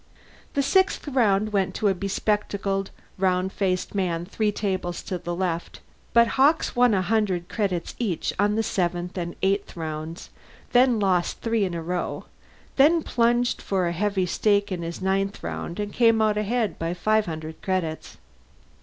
The sixth round went to a bespectacled round faced man three tables to the left, but Hawkes won a hundred credits each on the seventh and eighth rounds, then lost three in a row, then plunged for a heavy stake in his ninth round and came out ahead by five hundred credits.